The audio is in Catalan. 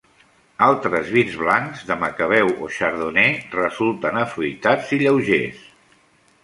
Altres vins blancs, de macabeu o chardonnay, resulten afruitats i lleugers.